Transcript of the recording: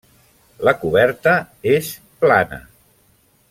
La coberta és plana.